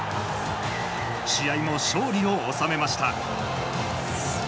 試合も勝利を収めました。